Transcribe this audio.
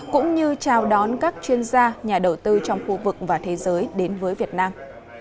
cũng như chào đón các chuyên gia nhà đầu tư trong khu vực và thế giới đến với việt nam